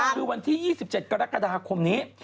คือวันที่๒๗กรกฎาคมนี้